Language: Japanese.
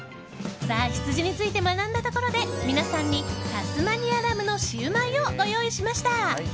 羊について学んだところで皆さんにタスマニアラムのシウマイをご用意しました。